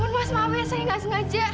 ya allah maaf ya saya gak sengaja